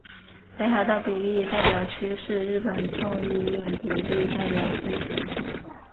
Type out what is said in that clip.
北海道比例代表区是日本众议院比例代表制选区。